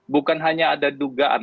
bukan hanya ada dugaan